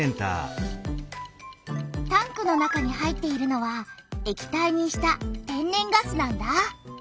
タンクの中に入っているのは液体にした天然ガスなんだ。